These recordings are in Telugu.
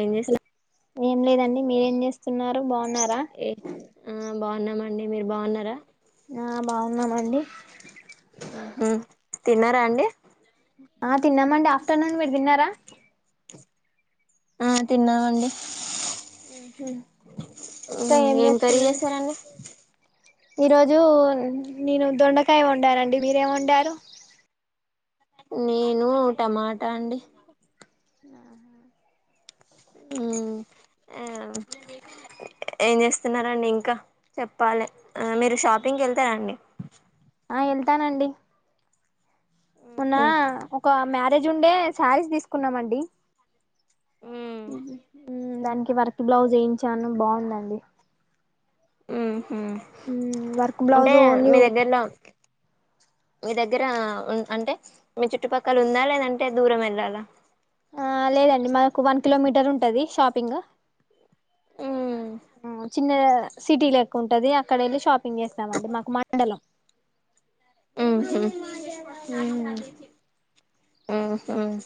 ఏం జేస్త. ఏం లేదండి మీరేం చేస్తున్నారు బావు ఏ ఆ బాగున్నామండి మీరు బావున్నారా ఉన్నా మండి తిన్నారా అండి ఆ తిన్నామండి మీరు తిన్నారా ఆ తిన్నామండి మ్ హు మ్ ఇంకా ఏం కర్రీ చేస్తల్లెదండి చేసారండి ఈరోజూ నేను దొండకాయ వండానండి మీరేమి వండారు నేను టమాటా అండి ఆహా మ్... ఆమ్... ఏం చేస్తున్నారండి ఇంకా చెప్పాలి ఆ మీరు షాపింగ్ కి వెళ్తారాఅండి ఆ వెళ్తానండి మొన్నా ఉహు ఒక మ్య అదేజ ఉండే శారీస్ తీసుకున్నామండి ఉమ్ మ్... దానికి వర్క్ బ్లౌజ్ ఏయించాను బావుందండి మ్... మ్.... వర్క్ బ్లౌజ్ అంటే ఓన్లీ మీ దగ్గర్లో మీ దగ్గర అంటే మీ చుట్టుపక్కల ఉందా లేదంటే దూరం వెళ్ళాలా ఆ లేదండి మా ఒక వన్ కిలోమీటర్ ఉంటాది షాపింగ్ ఉమ్ మ్ చిన్న సిటీ లెక్క ఉంటాది అక్కడ ఎళ్ళి షాపింగ్ చేస్తామండి మాకు మండలం మ్ హుమ్ మ్ మ్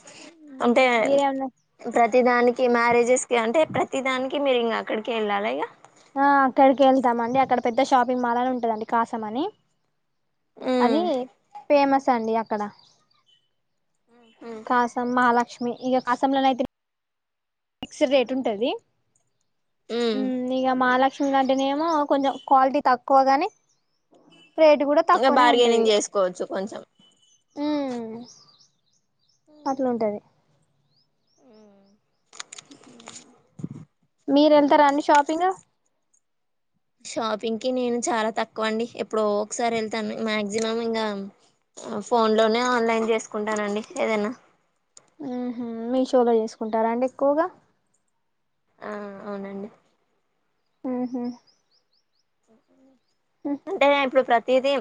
అంటే మీరేమన్నా ప్రతి దానికి మ్యారేజెస్ కి అంటే ప్రతి ప్రతి దానికి మీరు ఇంక అక్కడికే ఎళ్ళాలి ఇక ఆ అక్కడికె వెళ్తామండి అక్కడ పెద్ద షాపింగ్ మాల్ అని ఉంటదండి కాసంమని ఉమ్ అది ఫేమస్ చ్చండి అక్కడ కాసం మహాలక్ష్మి మీ ఇక కాసంలోనైయితే ఫిక్స్డ్ రేట్ ఉంటది ఇంగ ఉమ్ ఇగ మహాలక్ష్మీలో అంటేనేమో కొంచెం క్వాలిటీ తక్కువ గాని రేట్ కూడా ఇంకా తక్కువనే ఉంటది బార్గెయినింగ్ ఇక చేసుకోవచ్చు కొంచెం ఉమ్ అట్లుంటది ఉమ్ [inaudible] మీరు వెళ్తారా అండి షాపింగ్ షాపింగ్ కి నేను చాలా తక్కువ అండి ఎప్పుడో ఒక్క సారి వెళ్తాను మాక్సిమం ఇంకా ఫోన్ లోనే ఆన్లైన్ చేసుకుంటానండి ఏదైనా ఊహూ మీషో లో చేసుకుంటారా అండి ఎక్కువగా ఆ అవునండి ఊహూ [unintelligible] అంటే అప్పుడు ప్ర తిదీ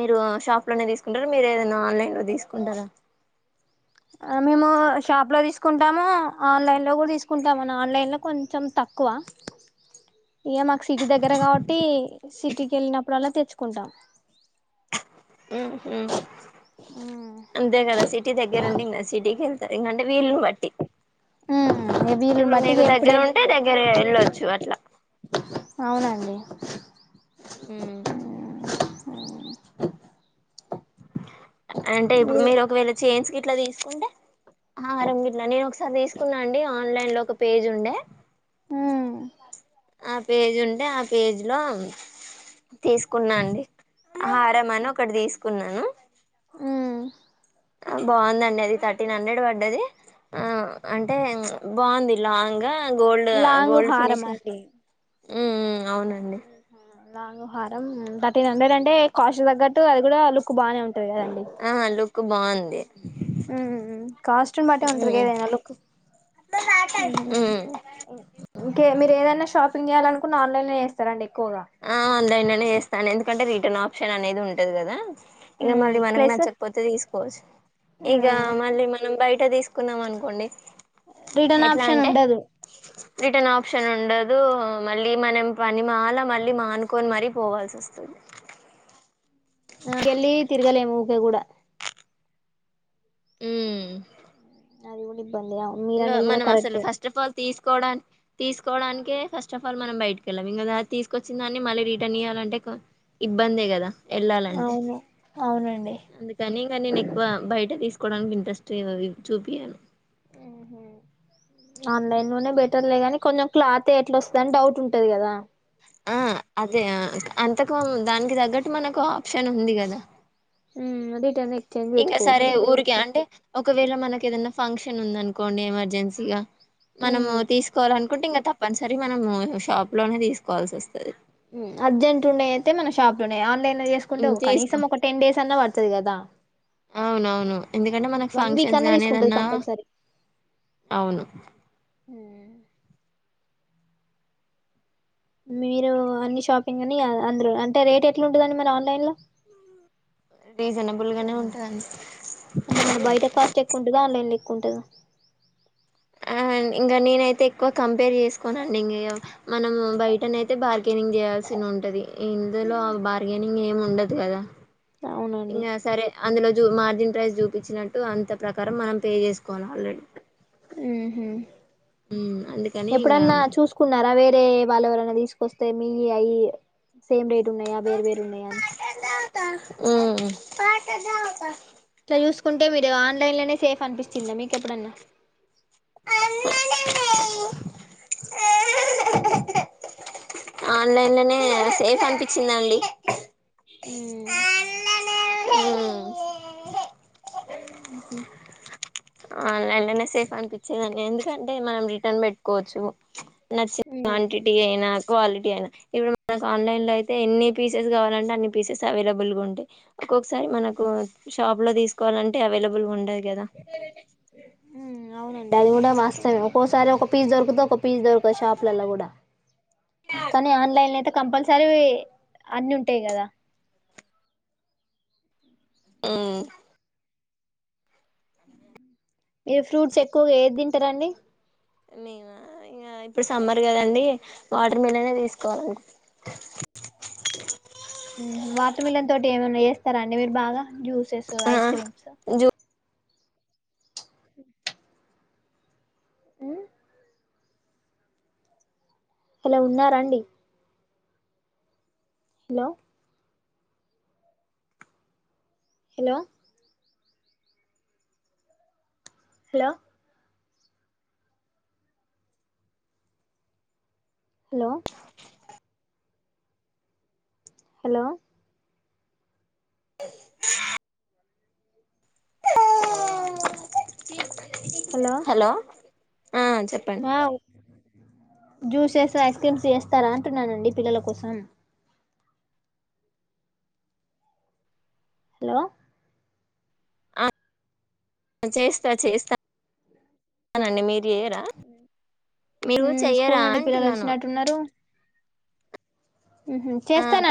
మీరు షాప్ లోనే తీసుకుంటారా మీరు ఏదైనా ఆన్లైన్ లో తీసుకుంటారా మేము షాప్ లో తీసుకుంటాము ఆన్లైన్లో కూడా తీసుకుంటాము [inaudible] ఆన్లైన్లో కొంచెం తక్కువ ఇక మాకు సిటీ దగ్గర కాబట్టి సిటీకి వెళ్ళినప్పుడల్లా తెచ్చుకుంటాం ఊహూ అంతే కదా సిటీ దగ్గర ఉంటే ఇంక సిటీకెళ్ తే యంగంటే వీలుని బట్టి ఉమ్ వీలుని ఇప్పుడు బట్టి మీకు దగ్గర ఎప్పుడే ఉంటే దగ్గర వెళ్ళొచ్చు అట్లా అవునండి ఊ ఆ అంటే ఇప్పుడు మీరు ఒకవేళ చేన్స్ కి ట్లా తీసుకుంటే హారం గిట్లా నేను ఒకసారి తీసుకున్నా అండి ఆన్లైన్ లో ఒక పేజ్ ఉండే ఆ ఆ పేజ్ ఉంటే ఆ పేజ్ లో తీసుకున్నా అండి హారం అని ఒకటి తీసుకు కున్నాను ఊ బావుందండి అది థర్టీన్ హండ్రెడ్ పడ్డది ఆ అంటే బాగుంది లాంగ్ గా గోల్డ్ లాంగ్ గోల్డ్ హారం ఫినిష్ ఈ అండి ఊ అవునండి లాంగ్ హారం థర్టీన్ హండ్రెడ్ అంటే కాస్ట్ తగ్గట్టు అది కూడా లుక్ బానే ఉం ఆ లుక్ బావున్ ఉమ్ కాస్ట్యూమ్ బట్టే ఉంటాది గా మ్మ్ ఏదైనా లుక్ మ్మ్ [inaudible] ఇంకే మీరు ఏదైనా షాప్ పింగ్ చేయాలనుకున్నా ఆన్లైన్ చేస్తారా అండి ఆ అన్లెన్ లోనే ఏస్తానండి ఎందుకంటే రిటర్న్ ఆప్షన్ అనేది ఉంటది కదా ఇక ఉమ్ మళ్ళీ మనకు ప్లస్ నచ్చకపోతే తీసుకోవచ్చు ఇక ఉమ్ మళ్ళీ మనం బయట బట్ట [unintelligible] లు తీసుకున్నాం అనుకోండి రిటర్న్ ఎట్లా ఆప్షన్ అంటే ఉండదు రిటర్న్ ఆప్షన్ ఉండదు మళ్ళీ మనం పని మాలా మళ్ళీ మానుకొని మరి పోవాల్సి వస్తుంది పో కూడా మ్మ్ అవును దాన్లో మీరు అనేది కూడా కరెక్టే కోడాన్ తీసుకోవడానికే ఫస్ట్ ఆఫ్ ఆల్ మనం బయటికి వెళ్ళాం ఇంక తీసుకొచ్చిన దాన్ని మళ్ళీ రిటర్న్ ఇయ్యాలంటే ఎందుకు ఇబ్బందే కదా వెళ్ళాలంటే అవును అవునండి అందుకని ఇంకా నేను ఎక్కువ బయట తీసుకు తీసుకోవడానికి ఇంట్రెస్ట్ ఏ చూపియను ఆన్లైన్ లోనే బెటర్ కదా కొంచెం క్లాతే ఎట్లా వస్తుందిని డౌట్ ఉంటది కదా ఆ అదే అంతకు దానికి తగ్గట్టు మనకు ఆప్షన్ ఉంది కదా మ్మ్ ఉడకని ఇంకా సరే ఊరికే అంటే ఒకవేళ మనకి ఏదైనా ఫంక్షన్ ఉంద అనుకోండి ఎమర్జెన్సీగా మనము ఉమ్ తీసుకోవాలి అనుకుంటే ఇంకా తప్పనిసరి మనము షాప్ లోనే తీసుకోవాల్సి వస్తాది అర్జెంట్ ఉన్నాయి అయితే మన షాప్ లోనే ఆన్లైన్ హ్మ్ తీసుకో కనీసం ఒక టెన్ డెస్ అన్న పడుతుంది కదా అవునవును ఎందుకంటే మనకు వన్ విక్ ఫంక్షన్స్ అన్న గానీ పడుతుంది ఏదన్నా కంపల్సరీ అవును హ్మ్ మీరు అన్ని షాపింగ్ అని అందరు అంటే రేట్ ఎట్లా ఉంటుందండి మరి ఆన్లైన్ లో రీజనబుల్ గానే ఉంటాది అంటే మన బయట కాస్ట్ ఎక్కువ ఉంటాద ఆన్లైన్ లొ కుంటద ఆ ఇంకా నేనైతే ఎక్కువ కంపేర్ చేసుకోని అండి ఇంక మనం బయటన అయితే బార్గెనింగ్ చేయాల్సిన ఉంటది ఇందులో బార్గెనింగ్ ఏం ఉండదు కదా అవునండి ఇగ సరే అందులో మార్జిన్ ప్రైస్ చూపించినట్టు అంత ప్రకారం మనం పే చేసుకోవాలి ఆల్రెడీ ఉహు మ్మ్ అందుకని ఇంగ ఎప్పుడన్నా మ్మ్ చూసుకున్నారా వేరే వాళ్ళవి ఎవరివి తీసుకొస్తే మీ అవి సేమ్ రేట్ ఉన్నాయా వేరు వేరు ఉన్నాయా అని మ్మ్ ఇట్లా చూసుకుంటే మీరు ఆన్లైన్ లోనే సేఫ్ అనిపిస్తుందా మీకెప్పుడన్నా ఆన్లైన్ లోనే సేఫ్ అనిపి వచ్చిందండి అ మ్మ్ అఓకే ఆన్లైన్ లోనే సేఫ్ అనిపించేదని ఎందుకంటే మనం రిటర్న్ పెట్టుకోవచ్చు నచ్చిన క్వాంటిటీ అయినా క్వాలిటీ అయి ఇప్పుడు మనకు ఆన్లైన్ లో అయితే ఎన్ని పీసెస్ కావాలంటే అన్ని పీసెస్ అవైలబుల్ గా ఉంటాయి ఒక్కొసారి మనకు షాప్ లో తీసుకోవాలంటే అవలబుల్ ఉండదు కదా అవునండి అది కూడా వస్తవమే ఒక్కోసారి ఒక ఫీస్ దొరుగుతు పిస్ దొరకవ్ కూడా కానీ ఆన్లైన్ లో కంపల్సరీ అన్ని ఉంటాయి కదా ఆ మీ ఫ్రూట్స్ ఎక్కువగా ఏది తింటారంండి మేము ఇంకా ఇప్పుడు సమ్మర్ కదండి వాటర్ మిల్నే తీసుకోవాలడి వాటర్ మిల్లన్ తోటి ఏమన్నా చేస్తారా అండి మీరు బాగా జ్యూసెస్ ఐస్ క్రీమ్స్ జూ హలో ఉన్నారా అండి hello hello hello hello hello [inaudible] hello ఆ చెప్పండి ఆ జ్యూసెస్ ఐస్ క్రీమ్స్ చెస్తారా అంటున్నానండి పిల్లల కోసం హలో చేస్తా చేస్తా స్తానండి మీరు చెయరా మీరు స్కూల్ చెయ్యరా నుండి పిల్లలు అంటున్నాను వచ్చినట్టున్నారు ఆ చేస్తాను